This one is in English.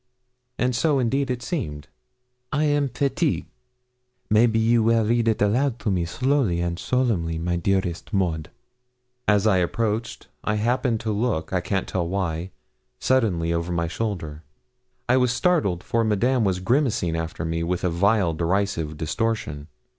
And so, indeed, it seemed. 'I am fatigue maybe you will read it aloud to me slowly and solemnly, my dearest Maud?' As I approached, I happened to look, I can't tell why, suddenly, over my shoulder; I was startled, for Madame was grimacing after me with a vile derisive distortion.